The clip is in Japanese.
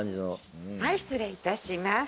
失礼いたします。